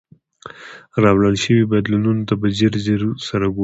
راوړل شوي بدلونونو ته په ځیر سره وګورئ.